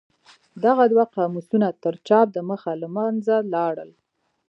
دغه دوه قاموسونه تر چاپ د مخه له منځه لاړل.